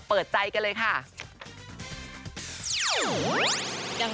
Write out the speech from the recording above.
เปิดใจกันเลยค่ะ